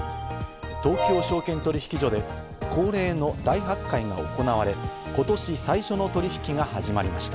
東京証券取引所で恒例の大発会が行われ、今年、最初の取引が始まりました。